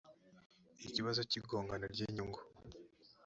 ikibazo cy igongana ry inyungu